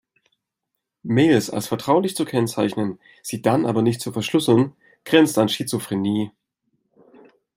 Mails als vertraulich zu kennzeichnen, sie dann aber nicht zu verschlüsseln, grenzt an Schizophrenie.